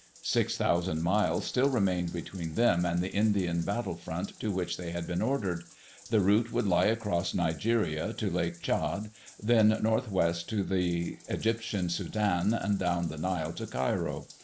Six thousand miles still remained between them and the Indian battlefront to which they had been ordered. The route would lie across Nigeria to Lake Tchad, then northwest to the Egyptian Sudan and down the Nile to Cairo.